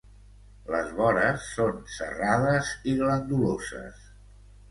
Les vores són serrades i glanduloses.